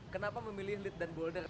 kenapa memilih lead dan boulder